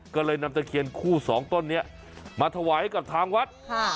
ก็เลยนำตะเคียนคู่สองต้นนี้มาถวายให้กับทางวัด